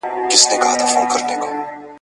کله چي وروڼو يوسف عليه السلام له ځانه سره بوتلی.